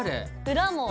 裏も。